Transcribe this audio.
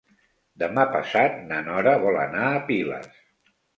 Demà passat na Nora vol anar a Piles.